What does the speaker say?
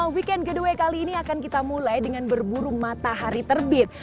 weekend getaway kali ini akan kita mulai dengan berburu matahari terbit